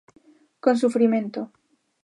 Con sufrimento.